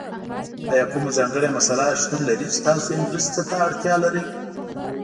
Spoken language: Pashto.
ایا کومه ځانګړې مسله شتون لري چې تاسو یې مرستې ته اړتیا لرئ؟